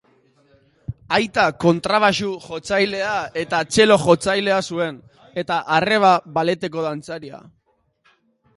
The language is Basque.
Aita kontrabaxu-jotzailea eta txelo-jotzailea zuen, eta arreba balleteko dantzaria.